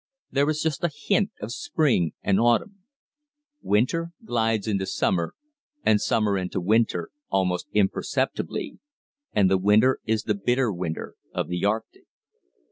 There is just a hint of spring and autumn. Winter glides into summer, and summer into winter, almost imperceptibly, and the winter is the bitter winter of the Arctic.